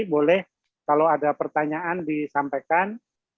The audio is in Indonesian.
boleh kalau ada pertanyaan disampaikan